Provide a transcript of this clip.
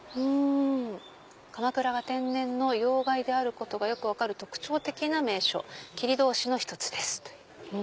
「鎌倉が天然の要害であることがよくわかる特徴的な名所切通の一つです」。